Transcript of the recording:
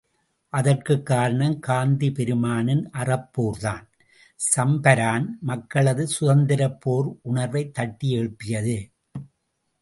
அதற்குக் காரணம் காந்தி பெருமானின் அறப்போர்தான், சம்பரான் மக்களது சுதந்தரப் போர் உணர்வை தட்டி எழுப்பியது.